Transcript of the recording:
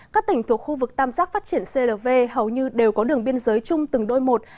các tỉnh thuộc khu vực tam giác phát triển clv hầu như đều có đường biên giới chung từng đôi một